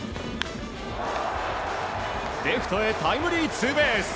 レフトへタイムリーツーベース！